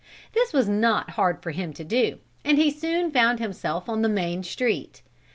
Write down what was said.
This was not hard for him to do and he soon found himself on the main street.